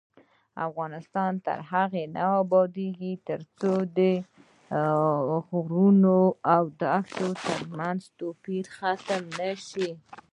افغانستان تر هغو نه ابادیږي، ترڅو د غرونو او دښتو ترمنځ توپیرونه ختم نشي.